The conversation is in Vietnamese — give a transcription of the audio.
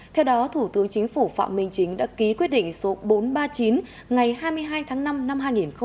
theo đó thủ tướng chính phủ phạm minh chính đã ký quyết định số bốn trăm ba mươi chín ngày hai mươi hai tháng năm năm hai nghìn một mươi chín